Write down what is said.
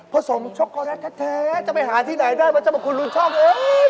ผสมช็อกโกแรตแท้จะไปหาที่ไหนได้มันจะบอกว่าคุณรู้ชอบเอ๊ย